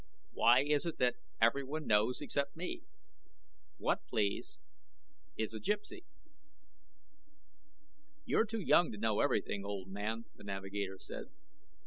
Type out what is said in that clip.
"Why is it that everyone knows except me? What, please, is a Gypsy?" "You're too young to know everything, old man," the navigator said.